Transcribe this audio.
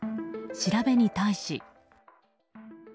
調べに対し。